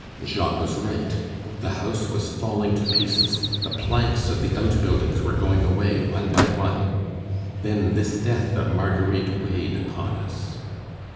Jacques was right. The house was falling to pieces, the planks of the outbuildings were going away one by one. Then this death of Marguerite weighed upon us.